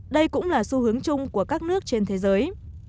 đây cũng là xu hướng chung của các nước trên thế giới